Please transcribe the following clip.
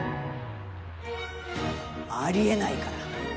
ありえないから。